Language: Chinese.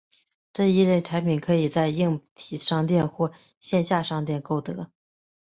这一类产品可以在硬体商店或线上商店购得。